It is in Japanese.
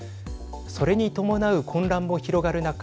それに伴う混乱も広がる中